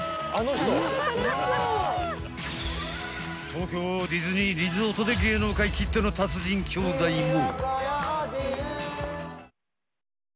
東京ディズニーリゾートで芸能界きっての達人兄弟も。